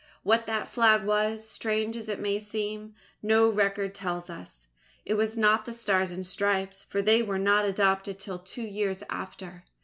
What that Flag was, strange as it may seem, no record tells us. It was not the Stars and Stripes, for they were not adopted till two years after.